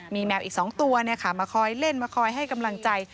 มีแมวอีก๒ตัวมาคอยเล่นมาคอยให้กำลังใจ